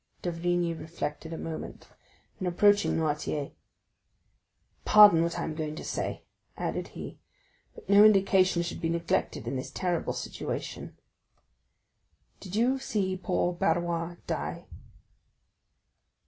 D'Avrigny reflected a moment; then approaching Noirtier: "Pardon what I am going to say," added he, "but no indication should be neglected in this terrible situation. Did you see poor Barrois die?"